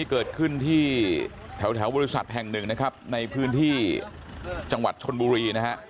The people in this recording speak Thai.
เริ่มถึงวิทยาลัยครบศาสตร์แห่งหนึ่งในพื้นที่จังหวัดชนบุรีนะฮะ